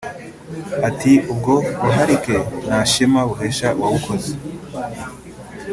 Ati "Ubwo buharike nta shema buhesha uwabukoze